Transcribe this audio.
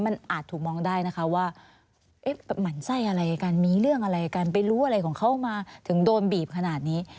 มันอาจถูกมองได้นะคะว่าหมั่นไส้อะไรกันมีเรื่องอะไรกันไปรู้อะไรของเขามาถึงโดนบีบขนาดนี้